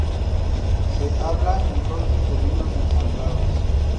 Se habla entonces de vinos ensamblados.